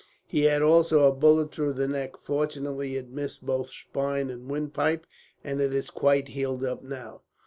He had also a bullet through the neck. Fortunately it missed both spine and windpipe, and is quite healed up now."